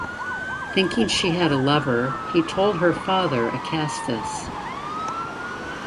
Thinking she had a lover he told her father Acastus.